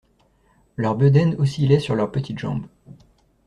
Leurs bedaines oscillaient sur leurs petites jambes.